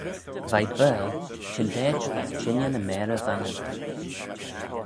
Veih Baarle, çhyndaait ayns çhengey ny mayrey Vannin.